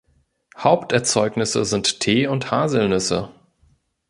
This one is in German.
Haupterzeugnisse sind Tee und Haselnüsse.